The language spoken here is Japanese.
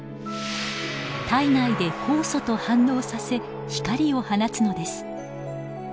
体内で酵素と反応させ光を放つのです。